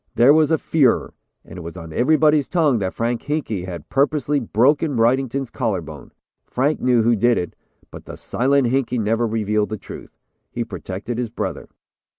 There was a furor. It was on everybody's tongue that Frank Hinkey had purposely broken Wrightington's collar bone. Frank knew who did it, but the 'Silent Hinkey' never revealed the real truth. He protected his brother.